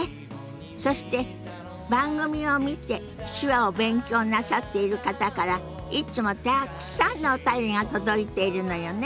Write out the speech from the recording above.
そして番組を見て手話を勉強なさっている方からいつもたくさんのお便りが届いているのよね？